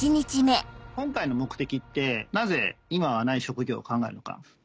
今回の目的ってなぜ今はない職業を考えるのか。